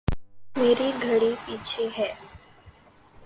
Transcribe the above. میری گھڑی پیچھے ہے